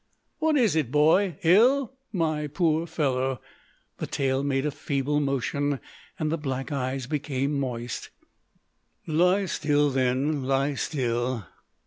"What is it, boy; ill? My poor fellow!" The tail made a feeble motion, and the black eyes became moist. "Lie still, then; lie still!"